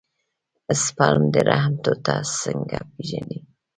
سپرم د رحم ټوټه څنګه پېژني.